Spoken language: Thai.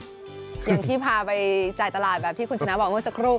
อย่างที่พาไปจ่ายตลาดแบบที่คุณชนะบอกเมื่อสักครู่